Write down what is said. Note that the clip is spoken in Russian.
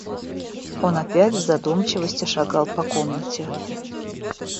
Он опять в задумчивости шагал по комнате.